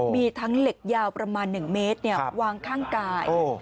มีทั้งเหล็กยาวประมาณ๑เมตรวางข้างกาย